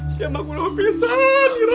siapa gua mau pisah nih ira